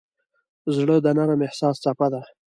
زړه د نرم احساس څپه ده.